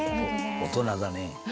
大人だね。